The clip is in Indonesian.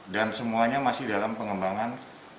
dan semuanya masih dalam pengembangan